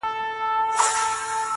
بس و یار ته ستا خواږه کاته درمان سي